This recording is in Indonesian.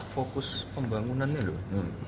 fokus pembangunan ini loh